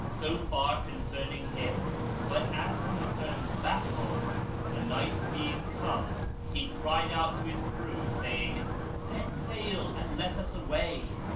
So far concerning him; but as concerns Bahram, the night being come, he cried out to his crew, saying, "Set sail and let us away!"